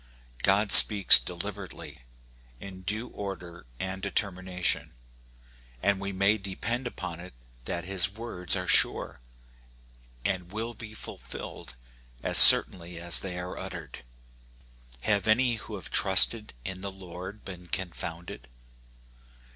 God speaks deliberately, in due order and determination, and we may depend upon it that his words are sure, and will be fulfilled as certainly as they are uttered. Have any who have trusted in the Lord been confounded